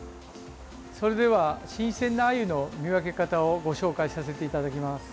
それでは新鮮なアユの見分け方をご紹介させていただきます。